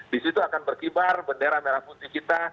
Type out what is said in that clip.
di situ akan berkibar bendera merah putih kita